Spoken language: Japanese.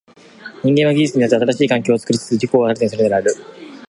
人間は技術によって新しい環境を作りつつ自己を新たにするのである。